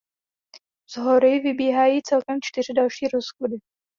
Z hory vybíhají celkem čtyři další rozsochy.